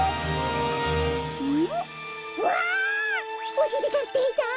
おしりたんていさん！